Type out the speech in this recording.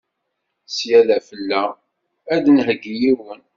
Sya d afella, ad d-nheggi yiwen.